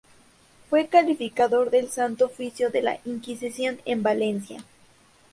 Fue calificador del Santo Oficio de la Inquisición en Valencia.